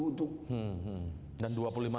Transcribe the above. untuk dan dua puluh lima truk ya